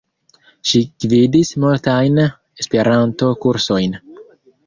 Ŝi gvidis multajn Esperanto-kursojn.